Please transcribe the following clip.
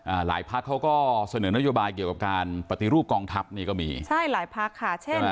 หลายพักเขาก็เสนอนโยบายเกี่ยวกับการปฏิรูปกองทัพนี่ก็มีใช่หลายพักค่ะเช่น